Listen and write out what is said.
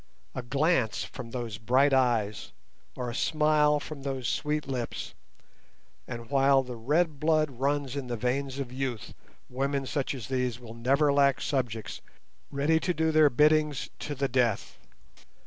A glance from those bright eyes or a smile from those sweet lips, and while the red blood runs in the veins of youth women such as these will never lack subjects ready to do their biddings to the death.